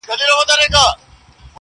د چا او چا ژوند كي خوښي راوړي,